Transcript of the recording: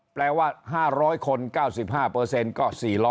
แปลว่า๕๐๐คน๙๕ก็๔๐๐